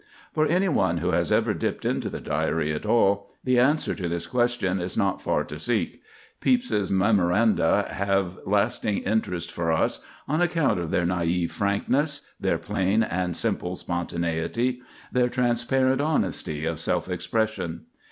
For any one who has ever dipped into the Diary at all, the answer to this question is not far to seek. Pepys's memoranda have lasting interest for us on account of their naïve frankness, their plain and simple spontaneity, their transparent honesty of self expression.